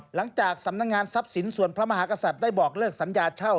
หลังจากสำนักงานทรัพย์สินส่วนพระมหากษัตริย์ได้บอกเลิกสัญญาเช่า